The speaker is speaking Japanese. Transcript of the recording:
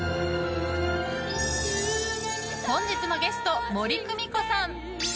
本日のゲスト、森公美子さん。